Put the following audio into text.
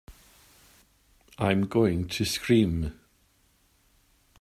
I'm going to scream!